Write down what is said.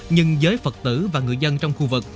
nhưng giới phật tử và người dân trong khu vực